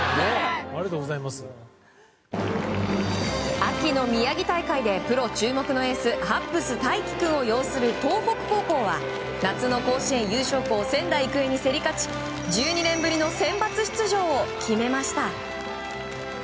秋の宮城大会でプロ注目のエースハッブス君擁する東北高校は夏の甲子園優勝校仙台育英に競り勝ち１２年ぶりのセンバツ出場を決めました。